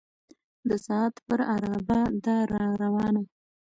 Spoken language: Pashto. د ساعت پر عرابه ده را روانه